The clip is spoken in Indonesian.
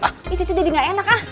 ini cece jadi gak enak ah